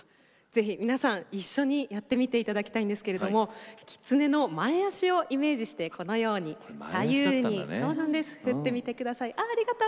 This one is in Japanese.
ぜひ皆さん一緒にやってみていただきたいんですけどキツネの前脚をイメージして左右に振ってみてください。